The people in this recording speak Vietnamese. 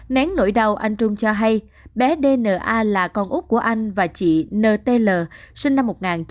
nén nỗi đau anh trung cho hay bé d n a là con út của anh và chị n t l sinh năm một nghìn chín trăm chín mươi năm